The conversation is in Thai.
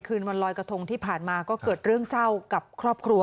คืนวันลอยกระทงที่ผ่านมาก็เกิดเรื่องเศร้ากับครอบครัว